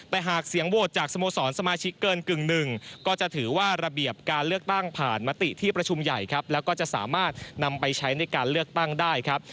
แต่หากเสียงโหวตจากสโมสรสมาชิกเกินกึ่งหนึ่งก็จะถือว่าระเบียบการเลือกตั้งผ่านมติที่ประชุมใหญ่ครับแล้วก็จะสามารถนำไปใช้ในการเลือกตั้งได้ครับ